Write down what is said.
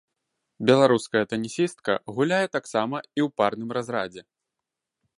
Беларуская тэнісістка гуляе таксама і ў парным разрадзе.